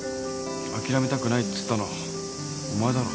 諦めたくないっつったのお前だろ。